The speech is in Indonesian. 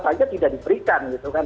saja tidak diperlukan